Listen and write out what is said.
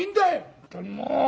本当にもう。